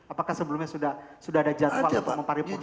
apakah sebelumnya sudah ada jadwal untuk memparipurna